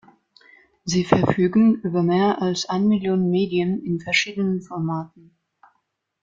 Sie verfügen über mehr als ein Million Medien in verschiedenen Formaten.